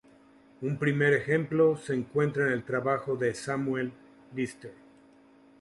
Un primer ejemplo se encuentra en el trabajo de Samuel Lister.